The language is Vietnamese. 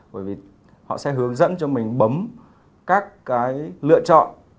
bởi vì họ sẽ hướng dẫn cho mình bấm các cái lựa chọn